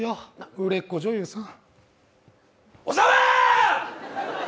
売れっ子女優さん。